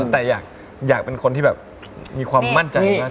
แต่อยากเป็นคนมีความมั่นใจมากขึ้น